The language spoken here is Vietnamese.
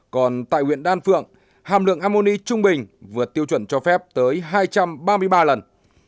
còn tại huyện đan phượng hàm lượng amoni trung bình vượt tiêu chuẩn cho phép tới hai trăm ba mươi ba lần